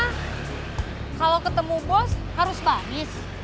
sekiranya menemukan bos harus nangis